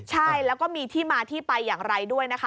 ใช่แล้วก็มีที่มาที่ไปอย่างไรด้วยนะคะ